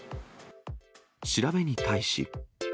調べに対し。